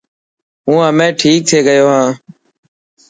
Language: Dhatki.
هون همي ٺيڪ ٿي گيو هان